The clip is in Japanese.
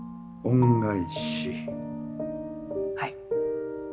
はい。